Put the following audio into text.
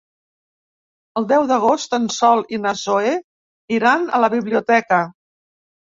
El deu d'agost en Sol i na Zoè iran a la biblioteca.